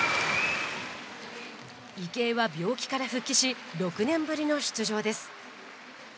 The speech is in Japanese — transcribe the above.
池江は病気から復帰し６年ぶりの出場です。